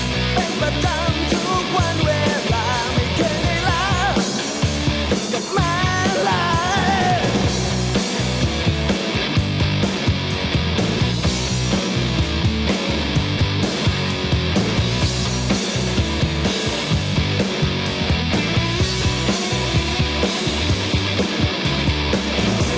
เป็นประจำทุกวันเวลาไม่เคยได้รับกับมาลัย